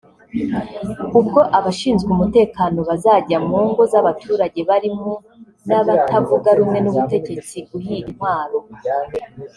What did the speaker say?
ubwo abashinzwe umutekano bazajya mu ngo z’abaturage barimo n’abatavuga rumwe n’ubutegetsi guhiga intwaro